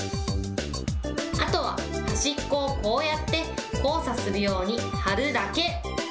あとは端っこをこうやって、交差するように貼るだけ。